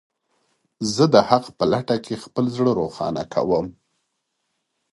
زه د حق په لټه کې خپل زړه روښانه کوم.